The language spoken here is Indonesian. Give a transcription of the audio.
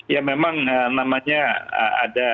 ya memang namanya ada